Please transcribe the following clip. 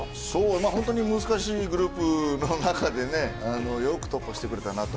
本当に難しいグループの中でよく突破してくれたなと。